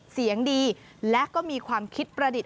เสียงดีและก็มีความคิดประดิษฐ